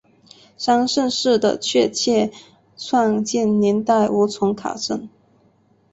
三圣寺的确切创建年代无从考证。